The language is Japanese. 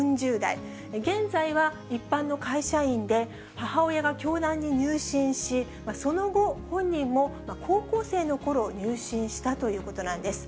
現在は一般の会社員で、母親が教団に入信し、その後、本人も高校生のころ、入信したということなんです。